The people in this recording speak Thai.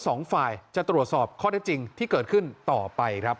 ส่งมาขอความช่วยเหลือจากเพื่อนครับ